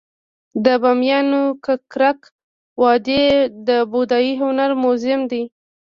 د بامیانو ککرک وادي د بودايي هنر موزیم دی